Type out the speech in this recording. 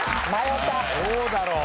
そうだろう。